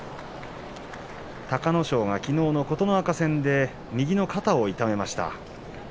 隆の勝、きのうの琴ノ若戦で右の肩を痛めてしまいました。